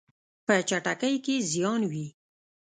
په چټکۍ کې زیان وي.